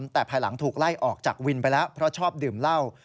แต่ภายหลังถูกไล่ออกจากวินไปแล้วเพราะชอบดื่มเหล้า